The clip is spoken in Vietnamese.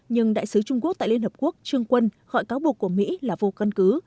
nhưng đại sứ trung quốc tại liên hợp quốc trương quân gọi cáo buộc của mỹ là vô căn cứ